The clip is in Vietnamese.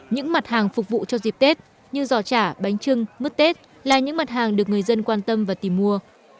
những mặt hàng phục vụ cho dịp tết như giò chả bánh trưng mứt tết là những mặt hàng được người dân quan tâm và tìm mua